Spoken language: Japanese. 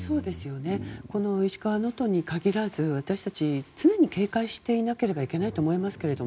石川・能登に限らず私たち常に警戒していなければいけないと思いますけど。